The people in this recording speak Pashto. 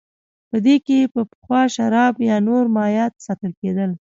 په دې کې به پخوا شراب یا نور مایعات ساتل کېدل